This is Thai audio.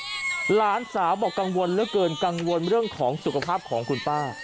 หลานสาวบอกกังวลเหลือเกินกังวลเรื่องของสุขภาพของคุณป้า